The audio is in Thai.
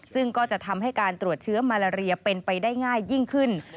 ซึ่งก็จะทำให้การตรวจเชื้อมาลาเรียเป็นไปได้ง่ายยิ่งขึ้น